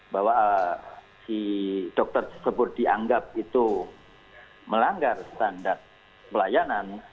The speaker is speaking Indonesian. bahwa si dokter tersebut dianggap itu melanggar standar pelayanan